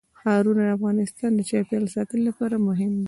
ښارونه د افغانستان د چاپیریال ساتنې لپاره مهم دي.